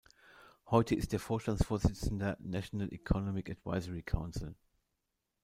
Heute ist er Vorstandsvorsitzender National Economic Advisory Council.